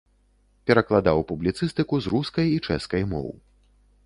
Перакладаў публіцыстыку з рускай і чэшскай моў.